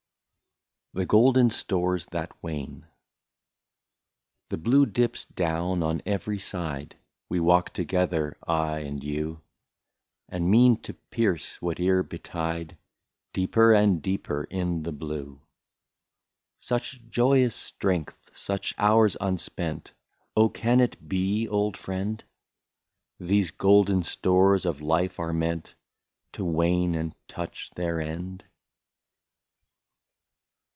135 THE GOLDEN STORES THAT WANE. The blue dips down on every side, We walk together, I and you, And mean to pierce, whatever betide. Deeper and deeper in the blue. Such joyous strength, such hours unspent. Oh ! can it be, old friend, These golden stores of life are meant To wane and touch their end